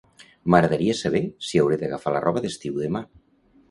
M'agradaria saber si hauré d'agafar la roba d'estiu demà?